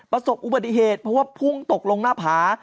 ประสบอุบัติเหตุเพราะว่าพุ่งตกลงหน้าผา